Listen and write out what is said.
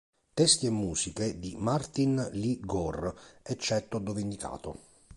Testi e musiche di Martin Lee Gore, eccetto dove indicato.